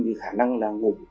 thì khả năng là ngủ